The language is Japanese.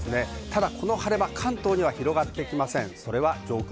ただ、この晴れ間、関東には広がってきません。